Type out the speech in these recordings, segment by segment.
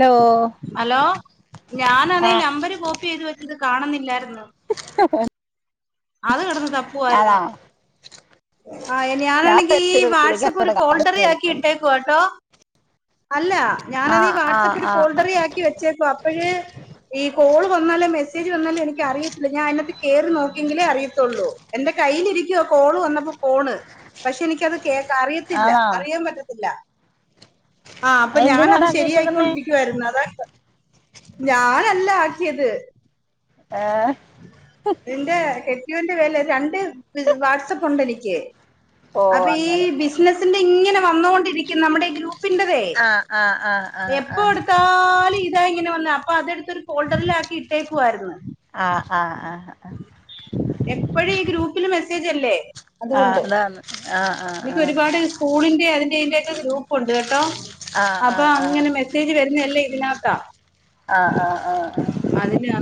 Hello hello ഞാനാണെ ആഹ് number copy ചെയ്ത് വച്ചത് കാണുന്നില്ലായിരുന്നു ആ അത് കെടന്ന് തപ്പുവായിരുന്നു ആഹ് എന് ഞാൻ ഞാനാണെങ്കി ഈ വിചാരിച്ചു ഇത് വിളിക്കാൻ വാട്സാപ്പ് ഒരു ഇവിടെ ഫോൾഡറി ആക്കി കാണുന്നില്ലെന്ന് ഇട്ടേക്കുവാട്ടോ അല്ലാ ഞാനാന്നെ ഈ ആഹ് ആഹ് വാട്സപ്പ് ഒരു ആഹ് ഫോൾഡറി ആക്കി വെച്ചേക്കുവാ അപ്പഴ് ഈ കോള് വന്നാലോ മെസ്സേജ് വന്നാലോ എനിക്ക് അറിയത്തില്ല ഞാൻ അതിനാത്ത് കേറി നോക്കിയെങ്കിലേ അറിയത്തുള്ളൂ എന്റെ കയ്യിലിരിക്കുവാ കോള് വന്നപ്പോ പോണ് പക്ഷെ എനിക്കത് കേക്ക അറിയത്തില്ല ആണോ അറിയാൻ പറ്റത്തില്ല ആഹ് അപ്പൊ ഞാാനത് അതെന്തിനാടാ കേച്ചേക്കുന്നേ ശരിയായിക്കൊണ്ടി അതാ ഞാനല്ല ആക്കിയത് ഏഹ് എന്റെ കെട്ട്യോന്റെ പേല് രണ്ട് വാട്സപ്പ് ഉണ്ട് എനിക്ക് ഓ അപ്പൊ ഈ അങ്ങനെ ബിസിനസിന്റെ ഇങ്ങനെ വന്നോണ്ടിരിക്കും നമ്മുടെ ഗ്രു പ്പിന്റെതേ ആഹ് ആഹ് ആഹ് എപ്പ ആഹ് എടുത്താലും ഇതാ ഇങ്ങനെ വന്ന അപ്പൊ അതടുത്ത് ഒരു ഫോൾഡറിലാക്കി ഇട്ടേക്കുവായിരുന്നു ആഹ് ആഹ് ആഹ് എപ്പഴും ഈ ഗ്രൂപ്പിൽ മെസ്സേജ് അല്ലേ ആഹ് അതുകൊണ്ട് അതാണ് ആഹ് ആഹ് എനിക്ക് ആഹ് ഒരുപാട് സ്കൂളിന്റെ അതിന്റെതിന്റെക്കെ ഗ്രൂപ്പ് ഉണ്ട് കേട്ടോ ആഹ് അപ്പൊ ആഹ് ആഹ് ആഹ് അങ്ങനെ മെസ്സേജ് വരുന്നല്ലേ ഇതിനകത്ത ആഹ് ആഹ് ആഹ് ആഹ് അതിന് അ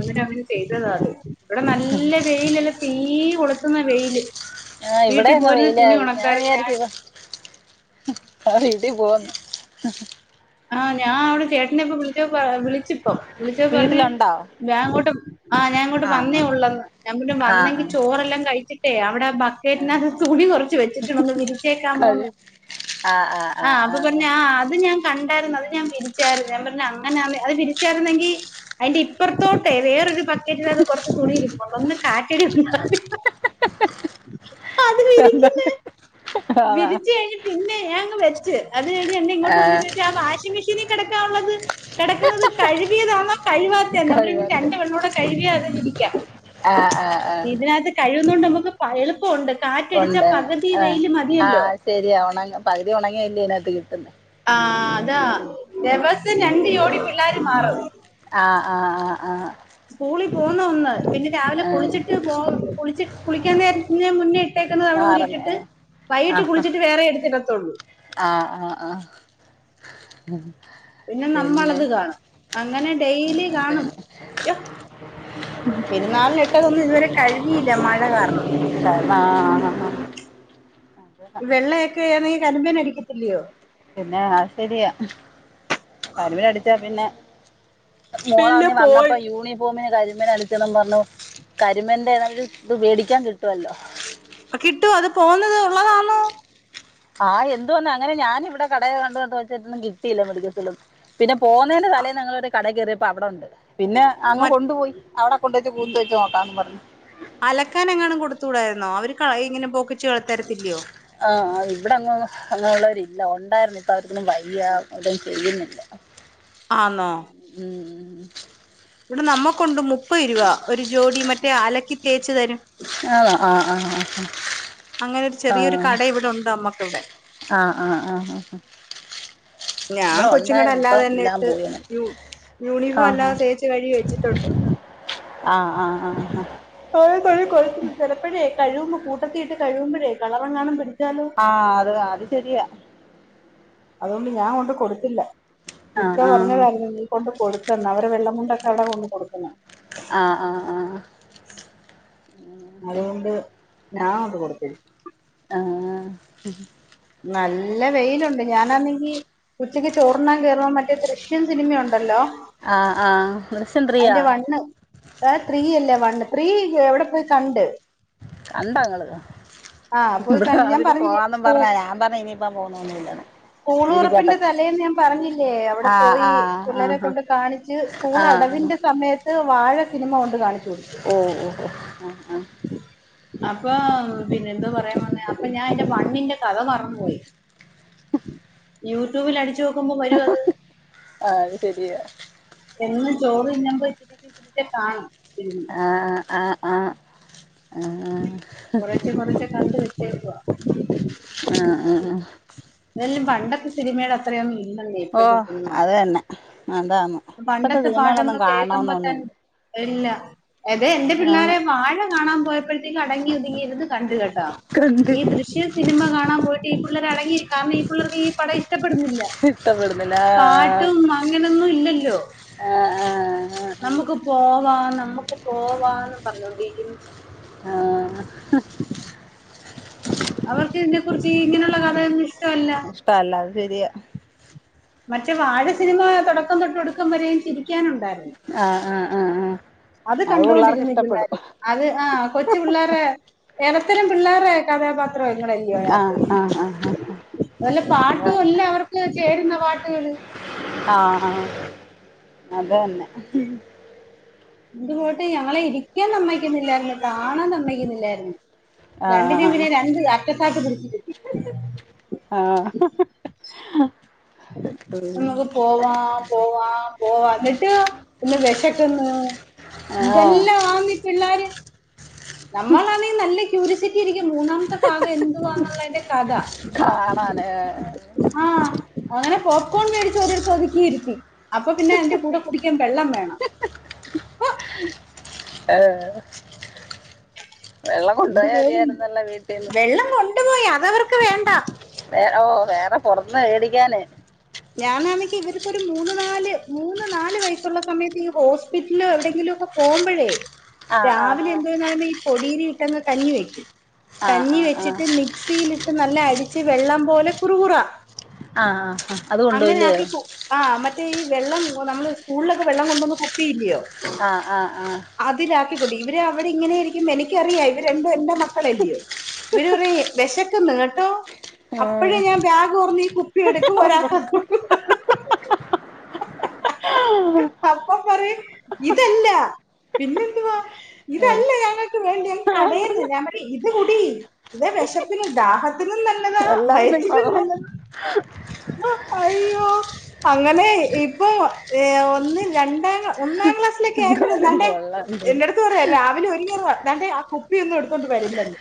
ചെയ്തതാ അത് ഇവിടെ നല്ല വെയിലല്ല തീ കൊളുത്തുന്ന വെയില് ആഹ് ഇവിടെ വീട്ടിൽ എങ്ങാ പോരുന്ന തുണി വെയിലായി ഞാൻ ഉണക്കാറ് വിചാരിച്ചത ആറീട്ടി പോന്ന ആഹ് ഞാൻ അവിടെ ചേട്ടനപ്പ വിളിച്ചോ വിളിച്ചിപ്പ വിളിച്ചപ്പൊ പറഞ് വീട്ടിലുണ്ടോ ഞാൻ അങ്ങോട്ട് ആഹ് ഞൻ ഇങ്ങോട്ട് വന്നേ ആഹ് ഉള്ളന്ന് ഞൻെ വന്നെങ്കി ആഹ് ചോറെല്ലാം കഴിച്ചി് ഏഹ് അവിടെ ബക്കറ്റിനകത്ത് തുണി കുറച്ച് വെച്ചിട്ടുണ്ടൊന്ന് വിരി കഴി ചെക്കാമോന്ന് ആഹ് അപ്പൊ പറഞ്ഞ ആഹ് അത് ഞാൻ കണ്ടാരുന്നു അത് ഞാൻ വിരിച്ചായിരുന്നു ഞാൻ പറഞ്ഞ അങ്ങനാ അത് വിരിച്ചായിരുന്നെങ്കി അതിന്റെ ഇപ്പുറത്തോട്ടേ വേറൊരു പക്കറ്റിൽ അത് കുറച്ച് തുണിയി ഒന്ന് കാറ്റടി [unintelligible] അതി വിരിക്കുന്ന അതാ വിരിച്ചു കഴിഞ് പിന്നെ ഞങ് വെച്ച് അത് കഴിഞ്ഞെന്നെ ഇങ്ങോട്ട ആഹ് വിളിച്ചിട്ട വച്ച് ആ വാഷിംഗ് മെഷീനി കിടക്കാ ഉള്ളത് കിടക്കുന്നത് കഴുകിയതാണോ കഴവാത്ത തന്നെ അ ഇനി കഴിവാത്തെ രണ്ട പെണ്ണോടെ കഴുകിയാ അത് വിരിക്കാം ആഹ് ആഹ് ആഹ് കഴിയുന്നൊണ്ട് നമുക്ക് എളുപ്പമുണ്ട് കാറ്റടിച്ചാൽ ഉണ്ട് പകുതി ആഹ് വെയില് മതി ആഹ് ശരിയാ ഉണങ്ങ പകുതി ഉണങ്ങില്ലേ അതിനകത്ത് കിട്ടന്ന് ആഹ് അതാ ദെവസം രണ്ടു ജോടി പിള്ളേർ മാറും ആഹ് ആഹ് ആഹ് ആഹ് സ്കൂളിൽ പോന്ന ഒന്ന് പിന്നെ രാവിലെ ആഹ് കുളിച്ചിട്ട് പോളി കുളിക്കാൻ നേരത്തിന് മുന്നേ ട്ടെക്കുന്നത് അവിടെ മാറുന്നെ ഉരിട്ടിട്ട് ഏഹ് വൈകിട്ട് ആഹ് ആഹ് കുളിച്ചിട്ട് വേറെ എടുത്തിടുത്തുള്ളൂ ആഹ് ആഹ് ആഹ് പിന്നെ നമ്മളത് കാണും അങ്ങനെ ഡൈലി കാണും പിന്നെ പെരുന്നാളിനിട്ടതൊന്നും ഇതുവരെ [unintelligible] കഴുകിയില്ല മഴ കാരണം [inaudible] ഈ വെള്ളയൊക്കെ ആണെങ്കിൽ കരിമ്പേൻടിക്കത്തില്ലയോ പിന്നെ ശരിയാ കരിമൻ അടിച്ചാ പിന്നെ മോളാണ പിന്നെ പോയി വന്നപ്പോ യൂണിയ ഭൂമിനെ കരിമൻ അനിച്ചണം പറഞ്ഞു കരിമൻന്റെ ഒരു ഇത്പേടിക്കാൻ കിട്ടുമല്ലോ കിട്ടു അത് പോന്നത് ഉള്ളതാണോ ആഹ് എന്തു വന്നാ അങ്ങനെ ഞാനിവിടെ കടയെ കണ്ടന്ന്ച്ചിട്ടൊന്നും കിട്ടിയില്ല മടിക്കത്തും പിന്നെ പോന്നതിന്റെ തലേൽ ഞങ്ങളൊരു കട കയറിയപ്പ അവിടെ ഉണ്ട് പിന്നെ അങ് മ കൊണ്ടുപോയി അവിടെ കൊണ്ട്വച്ച് കൂത്ത് വെച്ച നോക്കാന്ന് പറഞ്ഞു അലക്കാൻ എങ്ങനും കൊടുത്തുടായിരുന്നോ അവര് കള ഇങ്ങനെ പോക്കി ചേളത്തരത്തില്ലയോ ആഹ് ഇവിടെ അങ്ങ് അങ്ങെ ഉുള്ളവരില്ല ഉണ്ടായിരുന്നു ഇപ്പൾ അവർക്കൊന്നും വയ്യ ഇതും ചെയ്യുന്നില്ല ആന്നോ ഉം ഉം ഇവിടെ നമ്മക്കൊണ്ട് മുപ്പത് രൂപ ഒരു ജോഡി മറ്റേ അലക്കി തേച്ച്തരും ആഹ് ആഹ് ആ ഹ്ആ ഹ് അങ്ങനെ ഒരു ചെറിയൊരു കട ഇവിടെ ഉണ്ട് നമ്മക്കിവിടെ ആഹ് ആഹ് ആഹ് ആഹ്. ഞാൻ ഇവിടെ കൊച്ചുംങ്ങടെ ഉണ്ടായിരുന്നു ഇപ്പം അല്ലാതെ ഞാൻ എല്ലാം കൊച്ചുങ്ങടെ അല്ലാതെ പോയി അങ്ങനെ തന്നെ ഇട്ട് യൂയൂണിഫോം ആഹ് അല്ലാതെ തേച്ച് കഴുകി വെച്ചിട്ടുണ്ട് ആഹ് ആഹ്ആഹ് ഹ കൊഴ തൊഴി കൊഴുക്കുന്നു ചിലപ്പോഴേ കഴുകുമ്പോ കൂട്ടത്തിയിട്ട് കഴുകുമ്പോഴേ കളറങ്ങാനും പിടിച്ചാലോ ആഹ് അത് അത് ശെരിയാ അതുകൊണ്ട് ഞാൻ കൊണ്ട് കൊടുത്തില്ല ഇക്കാ ആഹ് ആഹ് പറഞ്ഞായിരുന്നു നീ കൊണ്ട് കൊടുക്കണ്ട. അവരെ വെള്ള മുണ്ടൊക്കെ അവടാ കൊണ്ട്‌ കൊടുക്കുന്നെ. ആഹ് ആഹ്ആഹ് അതുകൊണ്ട് ഞാൻഅത് കൊടുത്തു ആഹ് പിന്നെ നല്ല വെയിലുണ്ട് ഞാനാണങ്കി ഉച്ചയ്ക്ക് ചോർണ്ണാൻ കേറുമ്പം മറ്റേ ദൃഷ്യം സിനിമയുണ്ടല്ലോ ആഹ് ആഹ് ദൃശ്യം ത്രീയാ ആ ത്രീയല്ല വണ്ണ് ത്രീ അവിടെ പോയി കണ്ട് കണ്ട ങ്ങള് ആ പോയി ഇവിടെ കണ്ട് ഞാൻ അതിന് പറഞ്ഞില്ലേ പോവാന്ന് സ്കൂ പറഞ്ഞ ഞാൻ പറഞ്ഞ ഇനി- പ്പ പോവു നൊന്നും ഇല്ലാന്ന് സ്കൂൾ തുറപ്പിന്റെ തലേന്ന് ഞാൻ പറഞ്ഞില്ലേ അവിടെ ആഹ് പോയി പിള്ളരെ ആഹ് ആഹ് കൊണ്ട് കാണി ച്ച് സ്കൂൾ ആഹ് അടവിന്റെ സമയത്ത് വാഴ സിനിമ കൊണ്ട് കാണിച്ചുകൊടു ഓ ഓ ഓ ഓ ആഹ് ആഹ് അപ്പൊ പിന്നെ എന്താ പറയാൻ വന്നെ അപ്പൊ ഞാൻ എന്റെ വണ്ണിന്റെ കഥ മറന്നു ന്നുപോയി യൂട്യൂബിൽ അടിച്ചു നോക്കുമ്പോ വരും അത് അത് ശരിയാ ഇന്ന്ചോറ് തിന്നുമ്പോ ഇത്തിരിച്ച ഇത്തിരിച്ച കാണും ആ ഹ്ആഹ് ആഹ് ആഹ് ആഹ് കുറേച്ചെ കുറേച്ചെ കണ്ട്‌ വെച്ചേക്കുവ ആഹ് ആഹ് ഇതെല്ലാം പണ്ടൊത്തെ സിനിമയുടെ അത്രയൊന്നും ഇല്ലന്നേ ഇപ്പോഴത്തെ സിനിമ അതാണ് പണ്ടത്തെ പാട്ടൊന്ന് കേൾക്കുമ്പോ തന്നെ ഇല്ല അതേ എന്റെ ആന്ന് പിള്ളോരെ വാഴ കാണാൻ പോയപ്പോഴ- അടങ്ങി ഒതുങ്ങിയിരുന്ന് കണ്ട്‌കെട്ടാ കണ്ട് ഈ ദൃശ്യം സിനിമ കാണാൻ പോയിട്ട് ഈ പിള്ളര് അടങ്ങിയിരിക്ക കാരണം ഈ പിള്ളേർക്ക് ഈ പടം ഇഷ്ടപ്പെടുന്നില്ല ഇഷ്ടപ്പെടുന്നില്ല പാട്ടും അങ്ങനൊന്നും ഇല്ലല്ലോ ആഹ് ആഹ് നമുക്ക് പോവാ നമ്മുക്ക് പോവാന്നും പറഞ്ഞോണ്ടിരിന്നു ആഹ് ആഹ് ആഹ് അവർക്ക് ഇതിനെ കുറിച്ച് ഇങ്ങനെയുള്ള കഥകയൊന്നും ഇഷ്ടമല്ല ഇഷ്ടല്ലാ അത് ശെരിയാ മറ്റേ വാഴ സിനിമ തുടക്കം തൊട്ടൊടുക്കം വരെയും ചിരിക്കാനുണ്ടായിരുന്നു. ആഹ് ആഹ് ആഹ് ആഹ് അത് പിള്ളേർക്ക് കണ്ടുകൊണ്ടിരുന്നു ഈ ഇഷ്ടപ്പെടും പിള്ളേർ. അത് ആ കൊച്ചു പിള്ളേരെ- ഇടത്തരം പിള്ളേരുടെ കഥാപാത്രങ്ങളല്ലെ. ആഹ് ആഹ് ആഹ് അതല്ല പാട്ടു എല്ല അവർക്ക് ചേരുന്ന പാട്ടുകള്. ആഹ്. അതന്നെ. ഇന്നു പോയിട്ട് ഞങ്ങളെ ഇരിക്കൻ സമ്മതിക്കുന്നില്ലായിരുന്നു. കാാണാൻ സമ്മക്കുന്നില്ലായിരുന്നു. രണ്ടിനേം ആഹ് പിന്നെ രണ്ട് അറ്റത്താക്കി പിടിച്ചു. ആഹ് നമ്മക്ക് പോവാ പോവാ പോവാ എന്നിട്ട് ഇന്ന് വേഷക്ക്ന്ന് ആഹ് ന്തെല്ലാം ആന്നി പിള്ളാര് നമ്മളാന്നെ നല്ല ക്യൂരിസിറ്റിരിക്കും മൂന്നാംത്തെ ഭാഗം എന്തുവാന്ന്ള്ളെന്റെ കഥ കാണാന് ആ അങ്ങനെ പോപ്കോൺ മേടിച്ച് ഒരിടത്ത് ഒത്ക്കി ഇര്ത്തി അപ്പ പിന്നെ അയ്ന്റെ കൂടെ കുടിക്കാൻ വെള്ളം വേണം അതെതെ വെള്ളം എന്ത് കൊണ്ടയാ പേര് അതിയായ്ര്ന്നല്ലേ വീട്ടീന്ന് വെള്ളം കൊ ണ്ട് പോയി അതവർക്ക് വേണ്ടാ വേ ഓ വേറെ പൊറതന്ന് വേടിക്കാന് ഞാനാന്നങ്കി ഇവർക്കൊരു മൂന്ന് നാല് മൂന്ന് നാല് വയസുള്ള സമയത്ത് ഈ ഹോസ്പിറ്റ്ലോ എവിടെങ്കിലും ഒക്ക പോമ്പഴേ ആഹ് രാവിലെ ആഹ് എന്തെന്ന ഈ പൊടീരി ഇട്ടങ്ങ് കഞ്ഞി വെക്ക്യും ആഹ് കഞ്ഞി ആഹ് ആഹ് വെച്ച്ട്ട് മിക്സീലിട്ട് നല്ല അടിച്ച് വെള്ളം പോലെ കുറ് കുറാ ആ അ അതു അങ്ങനെ ആക്കി കു ആ മറ്റേ ഈ വെള്ളം നമ്മള് സ്കൂൾലൊക്കെ വെള്ളം കൊണ്ടോന്നാ കുപ്പിയില്ല്യയോ അ അ ആഹ് അതിലാക്കിക്കുടിയും ഇവര് അവിടെ ഇങ്ങനൊയിരിക്കും എനിക്കറിയാ ഇവര് രണ്ടും എന്റെ മക്കളല്ല്യയോ ഇവര്റിയ് വിശക്ക്ന്ന് കേട്ടോ അപ്പഴേ ഏഹ് ഞാൻ ബാഗ് ഒർന്ന് ഈ കുപ്പി എട്ക്കും ഒരാൾക്ക് അപ്പ പറയും ഇതല്ലാ പിന്നെന്തുവാ ഏഹ് ഇതല്ല ഞങ്ങക്ക് വേണ്ട് ഞങ്ങക്ക് കടേന്ന് ഞാൻ പറേ ഇത് കുടി ഇതെ വേഷപ്പിനും ദാഹത്തിനും നല്ലതാ എല്ലാത്തിനും വൈറ്റിലും കൊള്ളാം നല്ല അയ്യോ അങ്ങനെ ഇപ്പൊ ഏ ഒന്ന് രണ്ടാ ക്ലാ ഒന്നാം ക്ലാസ്സിലെക്കെ ആയപ്പഴും എന്തായാലും ന്നാണ്ടേ കൊള്ളാം എന്റെട്ത്ത് പറായ രാവിലെ ഒര്ങ്ങിറ താണ്ടേ ആ കുപ്പിയോന്നും എട്ത്തോണ്ട് വരണ്ടന്ന്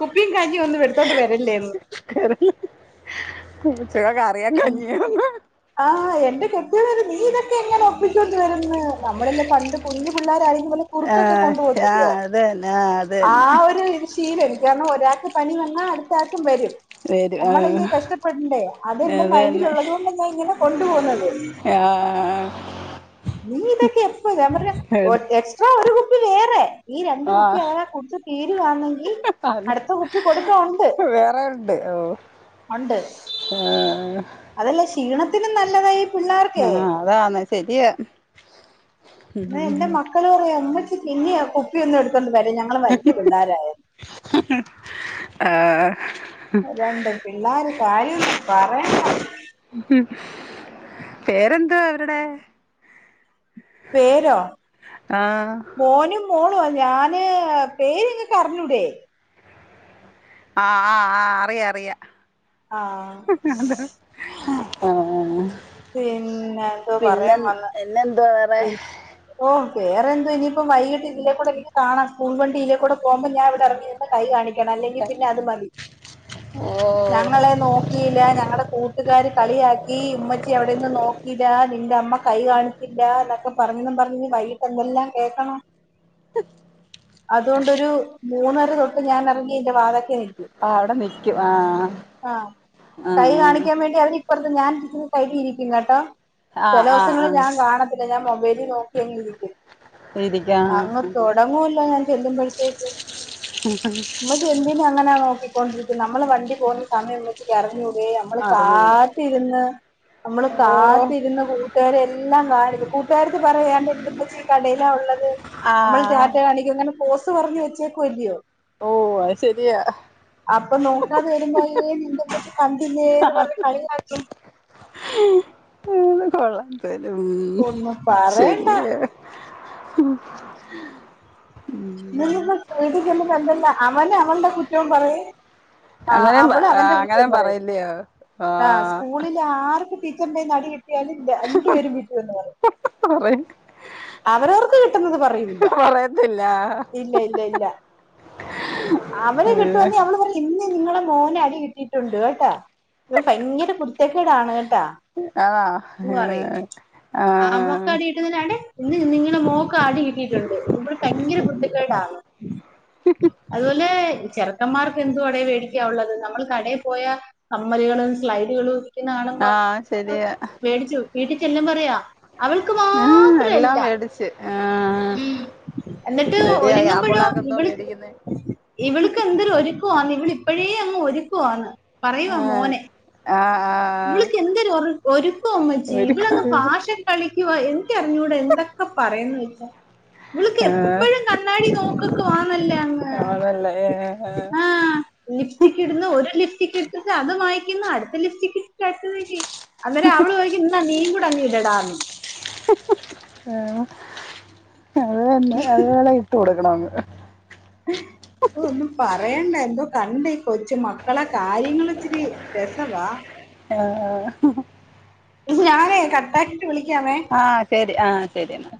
കുപ്പിം കഞ്ഞിം ഒന്നും ഇട്ത്തോണ്ട് വരല്ലേന്ന് ഉം ച്ച കറിയാൻ കഞ്ഞിയാന്ന് ആ എന്റെ കെട്ടിയോനറിം നീ ഇതക്കെ എങ്ങനെ ഒപ്പിച്ചൊണ്ട് വര്ന്ന് നമ്മളെല്ലാം പണ്ട് കുഞ്ഞ് പിള്ളേരായിക്കും മ്പന്നെ കുർക്കൊക്കെ ആഹ് കൊണ്ട് പോവത്തില്ലോ ആഹ് അത് തന്നെ ആഹ് അത് ആ തന്നെ ഒര് ശീലം കാരണം ഒരാക്ക് പനി വന്നാ അട്ത്താൾക്കും വരും നമ്മളെല്ലേ വരും ആഹ് കഷ്ട്ടപ്പെട്ണ്ടേ അതെന്റെ അത് തന്നെ മൈൻഡില്ള്ളത് കൊണ്ട് ഞാൻ ഇങ്ങനെ കൊണ്ട് പോക്ന്നത് ആഹ് നീ ഇതക്കെ എപ്പോ ഞാൻ പർഞ്ഞ് ഒ എക്സ്ട്രാ ഒര് കുപ്പി വേറെ ഈ രണ്ട് കുപ്പി അതവാ കുടിച്ച് തീരവാന്നങ്കി ആന്നൊ വേറെ ഉണ്ട് ഓഹ് ഉണ്ട് ആഹ് അതല്ല ക്ഷീണത്തിനും നല്ലതാ ഈ പിള്ളാർക്കെ ആഹ് അതാന്ന് ശരിയാ എന്നാ എന്റെ ഉം മക്കള് പറയാ ഉമ്മച്ചി പിന്നെ ആ കുപ്പിയൊന്നും എടുത്തോണ്ട് വരല്ലും ഞങ്ങള് വല്യ പിള്ളാരായന്ന് ആഹ് രണ്ട് പിള്ളാര കാര്യം ഒന്നും പറയണ്ട ഉം പേരെന്തുവാ അവരുടെ പേരോ ആഹ് മോനും മോളുവാ ഞാന് പേര് നിങ്ങൾക്ക് അറിഞ്ഞു കൂടെ ആഹ് ആഹ് ആഹ് അറിയാം അറിയാം ആ [unintelligible] പിന്നെ എന്തോ പിന്നെ പറയാൻ വന്ന് പിന്നെന്തുവാ വേറെ പി ഓ വേറെന്തുവാ ഇനിയിപ്പോ വൈകീട്ട് ഇതിലെ കൂടെ എനിക്ക് കാണാം സ്കൂൾ വണ്ടി ഇതിലേ കൂടെ പോകുമ്പോ ഞാൻ ഇവിടെ ഇറങ്ങി കൈ കാണിക്കണം അല്ലെങ്കി പിന്നെ അത് മതി ഞാ ഓ ഞങ്ങളെ നോക്കിയില്ല ഞങ്ങള കൂട്ടുകാര് കളിയാക്കി ഉമ്മച്ചി ച്ചി അവിടെ നിന്ന് നോക്കിയില്ല നിന്റെ അമ്മ കൈ കാണിച്ചില്ല എന്നൊക്കെ പറഞ്ഞെന്നും പറഞ്ഞ് വൈകിട്ട് എന്തെല്ലാം കേൾക്കണം അതുകൊണ്ട് ഒരു മൂന്നര തൊട്ട് ഞാൻ ഇറങ്ങി അതിന്റെ വാത്ക്കെ നിൽക്കും ആഹ് അവിടെ നിക്കും ആഹ് ആഹ് ഇപ്പറത്ത് ഞാൻ ഇരിക്കുന്ന സൈഡിൽ ഇരിക്കും കേട്ടോ ആ ചില ആ ആ ആ ദിവസങ്ങളി ഞാൻ കാണാ പിന്നെ ഞാൻ മൊബൈലിൽ നോക്കി അങ്ങ് ഇരിക്കും [unintelligible] അങ്ങ് തുടങ്ങുവല്ലോ ഞാൻ ചെല്ലുമ്പോഴത്തേക്ക് [unintelligible] ഉമ്മച്ചി എന്തിനാ അങ്ങനെ നോക്കി [unintelligible] നമ്മള വണ്ടി പോകുന്ന സമയം ഉമ്മച്ചിക്ക് അറിഞ്ഞു കൂടെ നമ്മള് ആ അറിഞ്ഞൂടെ കാത്തിരുന്ന് നമ്മള് ഓ കാത്തിരുന്ന് കൂട്ടുകാരെയെല്ലാം കാണിച്ച് കൂട്ടകാരെടുത്ത് പറ ദാ എൻ്റെ ഉമ്മിച്ചി കടയിലാ ഉള്ളത് ആ നമ്മള് റ്റാറ്റ കാണിക്കുന്നേന് പോസ് പറഞ്ഞ് വെച്ചേക്കു അല്ലയോ ഓ അത് ശരിയാ അപ്പൊ നോക്കാതെ വരുമ്പോ അയ്യേ നിന്റെ ഉമ്മച്ചി കണ്ടില്ലേന്ന് പറഞ്ഞ് കളിയാക്കും അത് കൊള്ളാം എന്തായാലും ഉം ഒന്നും പറയണ്ട ശരിയെന്നാ ഉം [unintelligible] അവൻ അവളുടെ കുറ്റം പറയും ആഹ് അങ്ങനെ അവള് അവന്റെ അങ്ങനെ കുറ്റം പറയും പറയില്ലയോ ആ ആഹ് സ്കൂളില് ആർക്ക് ടീച്ചറിന്റെ കയ്യിന്ന് അടി കി കിട്ടിയാല് രണ്ട് പേരും വീട്ടി വന്ന് പറയും പറയും അവരോർക്ക് കിട്ടുന്നത് പറയൂല്ലാ അത് ഇല്ലാ ഇല്ല ഇല്ല ഇല്ല അവന് കിട്ടുവാന്നേ അവള് പറയും ഇന്ന് നിങ്ങള മോന് അടി കിട്ടിയിട്ടുണ്ട് കേട്ടാ ഇവൻ ഭയങ്കര കുരുത്തക്കേടാണ് കേട്ടാ ആണോ എന്ന് ആഹ് ആഹ് ദാണ്ടേ ഇന്ന് നിങ്ങള മോൾക്ക് അടി കിട്ടിയിട്ടുണ്ട് ഇവള് ഭയങ്കര കുരുത്തക്കേടാണ് അതുപോലെ ചെറ ചെറക്കന്മാർക്ക് എന്തുവാടെ മേടിക്കാൻ ഉള്ളത് നമ്മള് കടയിൽ പോയ കമ്മലുകള് സ്ലൈഡുകള് ഇരിക്കുന്ന കാണുമ്പോ ആ ശരിയാ വേടിച്ച് വെക്കും വീട്ടിൽ ചെല്ലുംമ്പം അറിയാം അവൾക്ക് ആ മാത്രം എല്ലാം മേടിച്ച് ആ ഉം എന്നിട്ട് ശരിയാ ഒരുങ്ങുമ്പോഴോ ആമ്പിള്ളേർക്ക് എന്തോ ഇവ മേടിക്കുന്നേ ഇവള്ക്ക് എന്തര ഒരുക്കാന്ന് ഇവള് ഇപ്പഴേ അങ്ങ് ഒരുക്കുവാന്ന് പറയുവാ ആഹ് മോന് ആഹ് ആഹ് ഇവളക്ക് എന്തര് ഒര് ഒരുക്കാ ഉമ്മച്ചി ഇവളങ്ങ് ഒരുക്കറി ഫാഷൻ കളിക്കുവാ എനിക്ക് അറിഞ്ഞുടാ എന്തൊക്കെ പറയന്ന് വെച്ചാ ഇവൾക്ക് ആഹ് എപ്പോഴും കണ്ണാടി നോക്കക്കു ആണാല്ലോ അങ്ങ് ആണല്ലേ യെ യെ ആ ലിപ്സ്റ്റിക് ഇട്ടുന്നു ഒര് ലിപ്സ്റ്റിക് ഇട്ട് അത് മായ്ക്കുന്നു അടുത്ത ലിപ്സ്റ്റിക്ക് ഇട്ടിട്ട് [unintelligible] അന്നാരം അവള് ചേയിക്കും ഇന്നാ നിയും കൂടെ അങ്ങ് ഇടടാഎന്ന് ആഹ് അത് അന്നെ അത് പൊലെ ഇട്ട് കൊടുക്കണം അങ്ങ് ഓ ഒന്നും പറയണ്ടാ എന്തോ കണ്ട് കൊച്ച് മക്കളെ കാര്യങ്ങള് ഇച്ചിരി രെസവാ ആഹ് ആഹ് ഇത് ഞാനേ കട്ടാക്കിട്ട് വിളിക്ക്യാമേ ആഹ് ശെരി ആഹ് ശെരി എന്നാ